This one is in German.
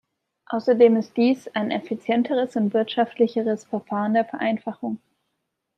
Außerdem ist dies ein effizienteres und wirtschaftlicheres Verfahren der Vereinfachung.